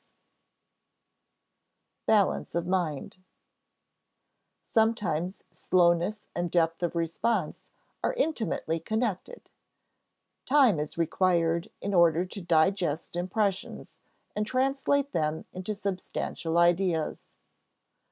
[Sidenote: Balance of mind] Sometimes slowness and depth of response are intimately connected. Time is required in order to digest impressions, and translate them into substantial ideas.